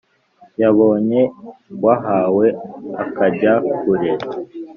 yabonye wahawe akajya kure.